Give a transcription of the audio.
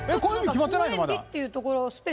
決まってないの？